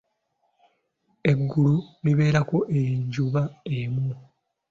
Eggulu libeerako enjuba emu.